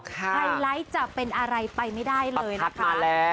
ไฮไลท์จะเป็นอะไรไปไม่ได้เลยนะคะ